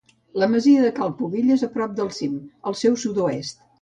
La masia de Cal Pubill és a prop del cim, al seu sud-oest.